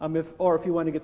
berita buruk adalah